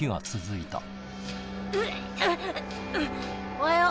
おはよう。